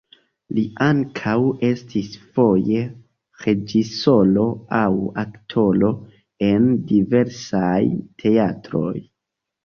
Li ankaŭ estis foje reĝisoro aŭ aktoro en diversaj teatroj.